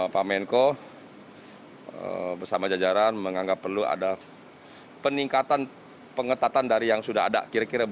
pak menko bersama jajaran menganggap perlu ada peningkatan pengetatan dari yang sudah ada kira kira